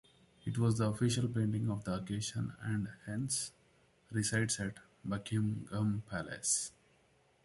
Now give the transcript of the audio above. It was the official painting of the occasion and, hence, resides at Buckingham Palace.